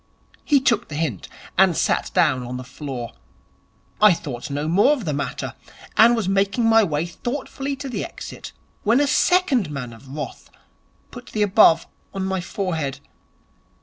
He took the hint, and sat down on the floor. I thought no more of the matter, and was making my way thoughtfully to the exit, when a second man of wrath put the above on my forehead.